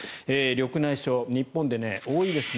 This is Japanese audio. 緑内障、日本で多いです。